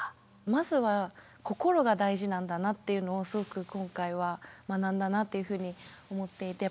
まずは心が大事なんだなっていうのをすごく今回は学んだなというふうに思っていて。